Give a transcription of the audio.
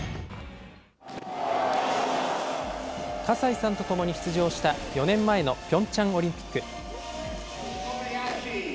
葛西さんと共に出場した４年前のピョンチャンオリンピック。